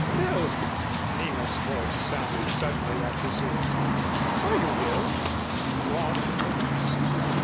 "Phil!" Nina's voice sounded suddenly at his ear. "Are you ill?" "Not in the least."